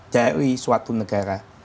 dari suatu nasional